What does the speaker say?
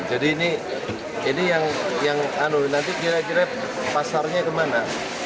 jadi ini yang nanti kira kira pasarnya kemana